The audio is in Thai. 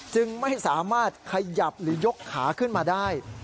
จึงไม่สามารถขยับหรือยกขาขึ้นมาได้